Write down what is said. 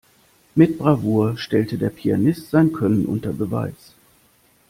Mit Bravour stellte der Pianist sein Können unter Beweis.